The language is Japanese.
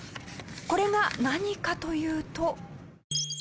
これが何かというと。